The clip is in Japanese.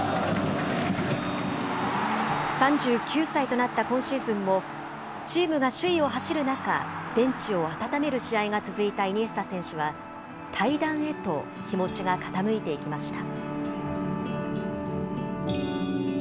３９歳となった今シーズンも、チームが首位を走る中、ベンチを温める試合が続いたイニエスタ選手は、退団へと気持ちが傾いていきました。